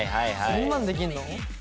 そんなんできんの？